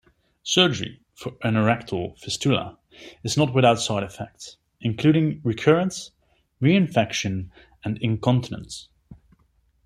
Surgery for anorectal fistulae is not without side effects, including recurrence, reinfection, and incontinence.